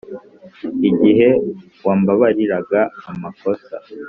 igihe wambabariraga amakosa